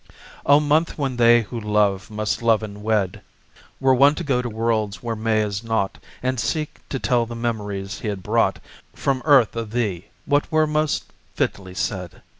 May O month when they who love must love and wed! Were one to go to worlds where May is naught, And seek to tell the memories he had brought From earth of thee, what were most fitly said?